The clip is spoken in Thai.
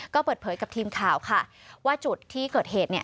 ก็เปิดเผยกับทีมข่าวค่ะว่าจุดที่เกิดเหตุเนี่ย